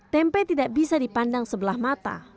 tempe tidak bisa dipandang sebelah mata